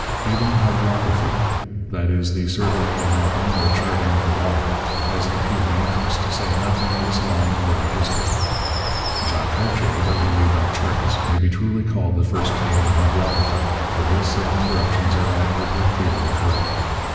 Even hydrography that is, the surveying and mapping (or 'charting') of the water has an appealing interest, to say nothing of its long and varied history. Jacques Cartier, though he made no charts, may be truly called the first Canadian hydrographer; for his sailing directions are admirably clear and correct.